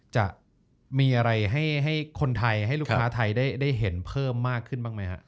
จะมีอะไรให้คนไทยให้ลูกค้าไทยได้เห็นเพิ่มมากขึ้นบ้างไหมฮะ